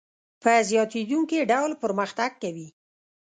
په زیاتېدونکي ډول پرمختګ کوي